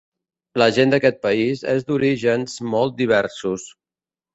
La gent d'aquest país és d'orígens molt diversos.